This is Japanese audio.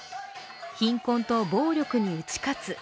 貧困と暴力に打ち勝つ。